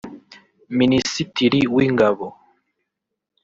Minisitiri w’Ingabo